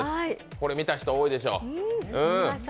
これ、見た人多いでしょう。